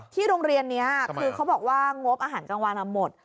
โรงเรียนนี้คือเขาบอกว่างบอาหารกลางวันหมด